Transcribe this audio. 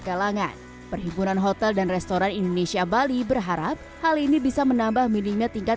kalangan perhimpunan hotel dan restoran indonesia bali berharap hal ini bisa menambah minimnya tingkat